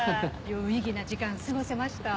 有意義な時間過ごせました。